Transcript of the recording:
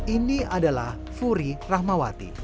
ini adalah furi rahmawati